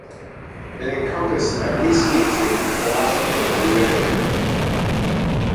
It encompassed at least music, philosophy and literature.